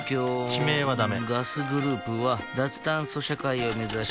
地名はダメ